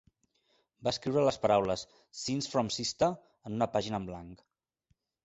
Va escriure les paraules "Scenes from a Sistah" en una pàgina en blanc.